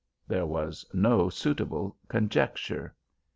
There was no suitable conjecture.